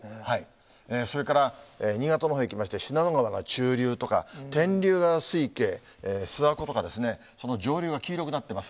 それから、新潟のほうへ行きまして、信濃川中流とか、天竜川水系、諏訪湖とか、その上流が黄色くなっています。